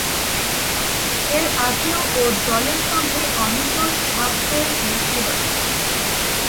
এর আগেও ওর দলের সঙ্গে অমিতর ভাবের মিল ছিল না।